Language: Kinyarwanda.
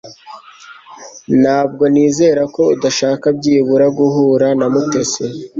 Ntabwo nizera ko udashaka byibura guhura na Mutesi